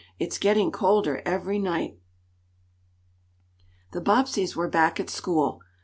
"It's getting colder every night." The Bobbseys were back at school.